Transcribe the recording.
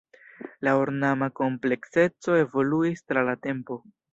La ornama komplekseco evoluis tra la tempo.